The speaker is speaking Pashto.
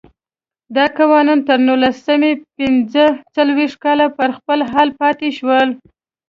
دا قوانین تر نولس سوه پنځه څلوېښت کاله پر خپل حال پاتې شول.